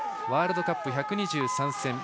ワールドカップ１２３戦。